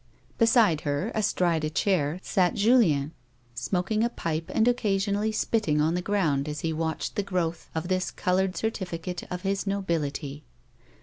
Beside her, astride a chair, sat Julien, smoking a pipe and occasionally spitting on the ground as he watched the growth of this coloured certificate of his nobility.